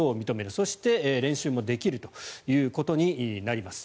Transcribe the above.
そして、練習もできるということになります。